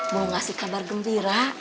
mau ngasih kabar gembira